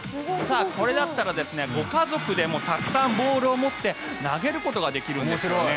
これだったらご家族でもたくさんボールを持って投げることができるんですよね。